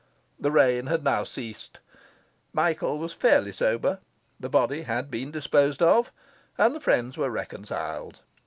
The rain had now ceased, Michael was fairly sober, the body had been disposed of, and the friends were reconciled.